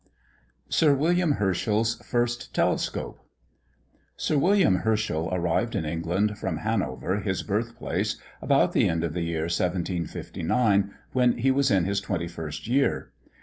SIR WILLIAM HERSCHEL'S FIRST TELESCOPE. Sir William Herschel arrived in England from Hanover, his birth place, about the end of the year 1759, when he was in his 21st year.